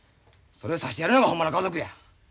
それを察してやるのがほんまの家族や。